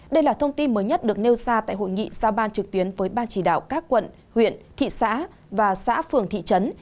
đây là thông tin mới nhất được nêu ra tại hội nghị sao ban trực tuyến với ban chỉ đạo các quận huyện thị xã và xã phường thị trấn